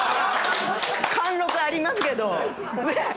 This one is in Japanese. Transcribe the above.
貫禄ありますけど。